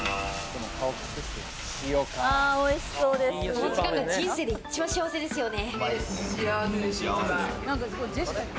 この時間が人生で一番幸せですよね。